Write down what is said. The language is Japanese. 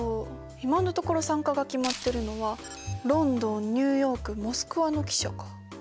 今のところ参加が決まってるのはロンドンニューヨークモスクワの記者か。